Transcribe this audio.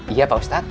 iya pak ustadz